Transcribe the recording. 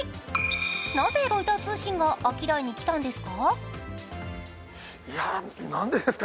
なぜロイター通信がアキダイに来たんですか？